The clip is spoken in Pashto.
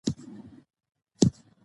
قانون د نظم چوکاټ ټاکي